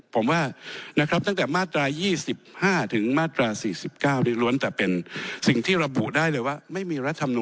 ผมว่านะครับตั้งแต่มาตรา๒๕ถึงมาตรา๔๙